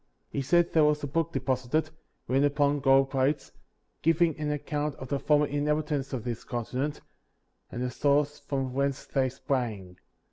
34. He said there was a book deposited, written upon gold plates, giving an account of the former inhabitants of this continent, and the source from whence they sprang.